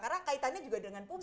karena kaitannya juga dengan publik